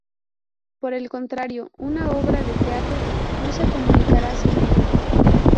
Por el contrario, una obra de teatro no se comunicará sin ello.